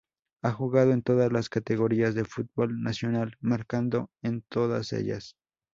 Ha jugado en todas las categorías del fútbol nacional, marcando en todas ellas.